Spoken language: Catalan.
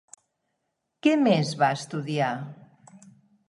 Què més va estudiar?